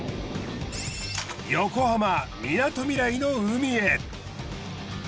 横浜みなとみらいの海へ。